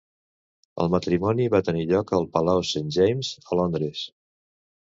El matrimoni va tenir lloc al palau Saint James, a Londres.